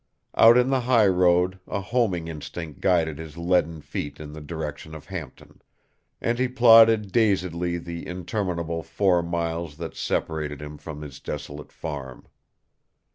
Out in the highroad, a homing instinct guided his leaden feet in the direction of Hampton. And he plodded dazedly the interminable four miles that separated him from his desolate farm.